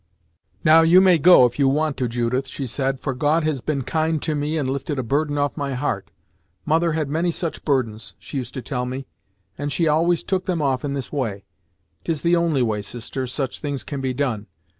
"Now, you may go if you want to, Judith," she said, "for God has been kind to me, and lifted a burden off my heart. Mother had many such burdens, she used to tell me, and she always took them off in this way. 'Tis the only way, sister, such things can be done.